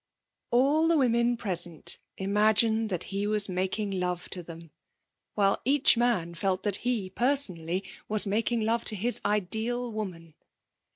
All the women present imagined that he was making love to them, while each man felt that he, personally, was making love to his ideal woman.